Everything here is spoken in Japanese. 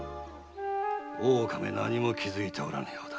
大岡め何も気づいておらぬようだ。